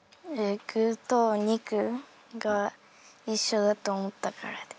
具とお肉が一緒だと思ったからです。